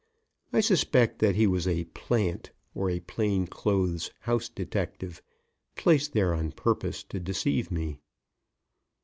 I suspect that he was a "plant," or a plain clothes house detective, placed there on purpose to deceive me.